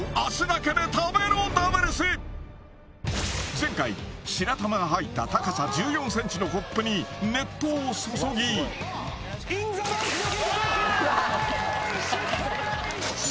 前回白玉が入った高さ１４ｃｍのコップに熱湯を注ぎ・失敗！